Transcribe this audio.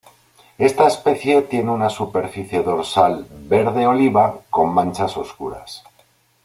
Esta especie tiene una superficie dorsal verde oliva con manchas oscuras.